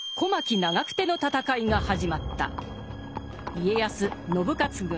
家康・信雄軍